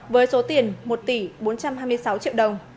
với số tiền một tỷ bốn trăm hai mươi sáu triệu đồng